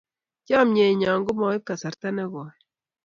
Chomnyet nyo komaib kasarta nekoi